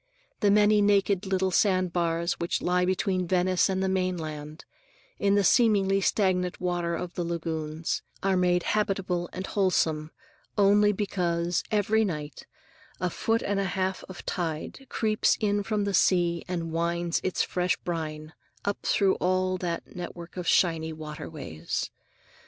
The many naked little sandbars which lie between Venice and the mainland, in the seemingly stagnant water of the lagoons, are made habitable and wholesome only because, every night, a foot and a half of tide creeps in from the sea and winds its fresh brine up through all that network of shining waterways.